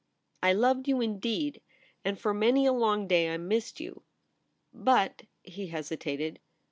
* I loved you indeed ; and for many a long day I missed you. But ' He hesitated.